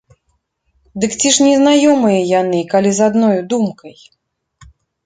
Дык ці ж незнаёмыя яны, калі з адною думкай!